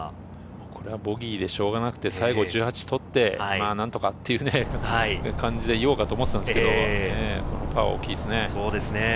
これはボギーでしょうがなくて、１８を最後取って何とかという感じで言おうと思っていたんですが、これは大きいですね。